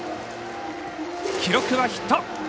記録はヒット。